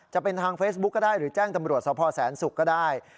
จะเป็นทางเฟซบุ๊กก็ได้หรือแจ้งตำรวจสพแสนศุกร์ก็ได้